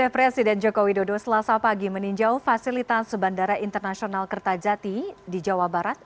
presiden joko widodo selasa pagi meninjau fasilitas bandara internasional kertajati di jawa barat